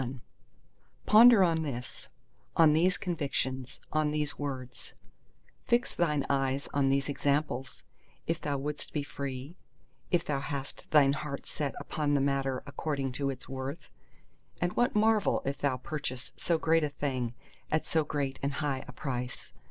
CXLII Ponder on this—on these convictions, on these words: fix thine eyes on these examples, if thou wouldst be free, if thou hast thine heart set upon the matter according to its worth. And what marvel if thou purchase so great a thing at so great and high a price?